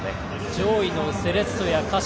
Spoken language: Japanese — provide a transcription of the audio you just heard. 上位のセレッソや鹿島